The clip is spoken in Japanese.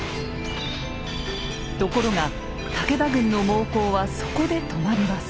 ところが武田軍の猛攻はそこで止まります。